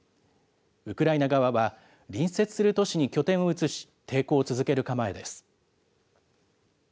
ウクライナ側は、隣接する都市に拠点を移し、抵抗を続ける構えです。